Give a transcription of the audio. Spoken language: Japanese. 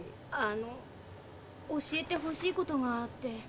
あの教えてほしいことがあって。